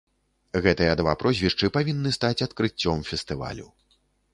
Гэтыя два прозвішчы павінны стаць адкрыццём фестывалю.